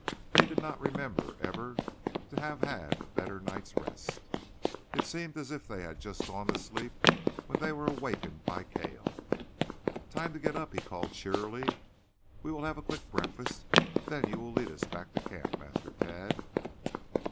They did not remember ever to have had a better night's rest. It seemed as if they had just gone to sleep when they were awakened by Cale. "Time to get up," he called cheerily. "We will have a quick breakfast, then you will lead us back to camp, Master Tad."